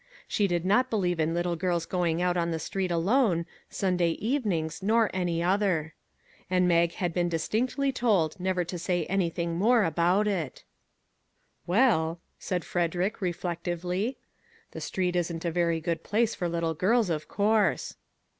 She did not believe in 65 MAG AND MARGARET .little girls going out on the street alone, Sun day evenings, nor any other. And Mag had been distinctly told never to say anything more about it. "Well," said Frederick, reflectively, "the street isn't a very good place for little girls, of course."